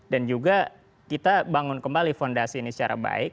juga kita bangun kembali fondasi ini secara baik